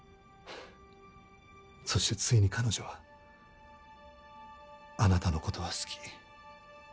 そしてついに彼女は「あなたの事は好き」